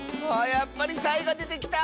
やっぱりサイがでてきた！